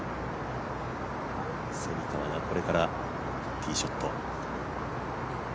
蝉川がこれからティーショット。